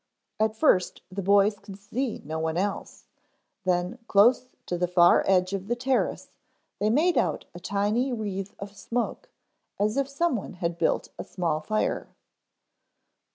At first the boys could see no one else, then close to the far edge of the terrace they made out a tiny wreath of smoke as if some one had built a small fire.